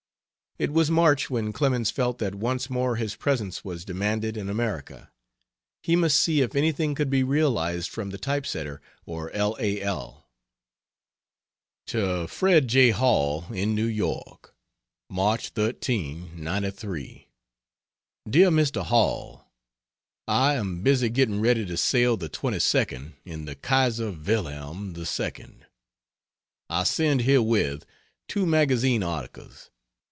It was March when Clemens felt that once more his presence was demanded in America. He must see if anything could be realized from the type setter or L. A. L. To Fred J. Hall, in New York: March 13, '93. DEAR MR. HALL, I am busy getting ready to sail the 22d, in the Kaiser Wilhelm II. I send herewith 2 magazine articles.